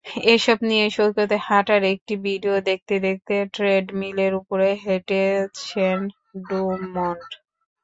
এসব নিয়েই সৈকতে হাঁটার একটি ভিডিও দেখতে দেখতে ট্রেডমিলের ওপরে হেঁটেছেন ডুমন্ট।